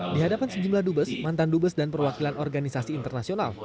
di hadapan sejumlah dubes mantan dubes dan perwakilan organisasi internasional